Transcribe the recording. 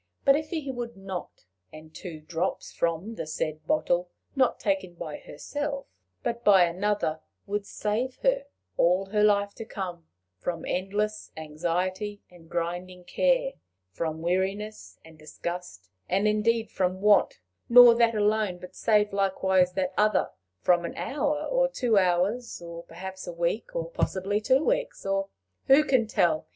But if he would not, and two drops from the said bottle, not taken by herself, but by another, would save her, all her life to come, from endless anxiety and grinding care, from weariness and disgust, and indeed from want; nor that alone, but save likewise that other from an hour, or two hours, or perhaps a week, or possibly two weeks, or who could tell?